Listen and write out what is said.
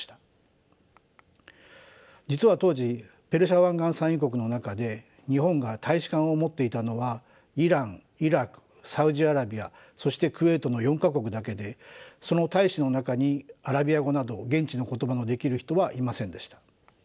実は当時ペルシャ湾岸産油国の中で日本が大使館を持っていたのはイランイラクサウジアラビアそしてクウェートの４か国だけでその大使の中にアラビア語など現地の言葉のできる人はいませんでした。